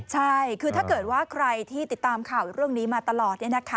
ใช่คือถ้าเกิดว่าใครที่ติดตามข่าวเรื่องนี้มาตลอด